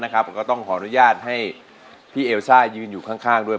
ผมก็ต้องขออนุญาตให้พี่เอลซ่ายืนอยู่ข้างด้วย